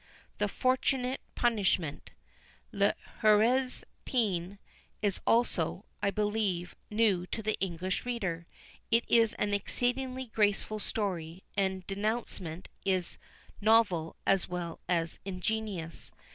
THE FORTUNATE PUNISHMENT. L'Heureuse Peine is also, I believe, new to the English reader. It is an exceedingly graceful story, and the dénouement is novel as well as ingenious.